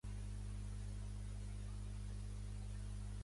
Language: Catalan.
Miquel Iceta i Llorens és un polític nascut a Barcelona.